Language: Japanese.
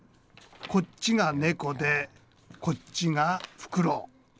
こっちが猫でこっちがふくろう。